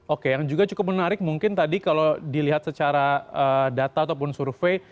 oke yang juga cukup menarik mungkin tadi kalau dilihat secara data ataupun survei